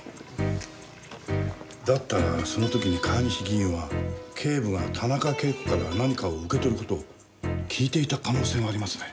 だったらその時に川西議員は警部が田中啓子から何かを受け取る事を聞いていた可能性がありますね。